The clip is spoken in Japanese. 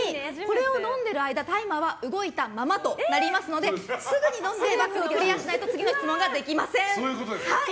更に、これを飲んでいる間タイマーは動いたままとなりますのですぐに飲んで罰をクリアしないと次の質問ができません。